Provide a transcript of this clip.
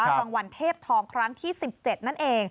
รางวัลเทพทองครั้งที่๑๗นั่นเอง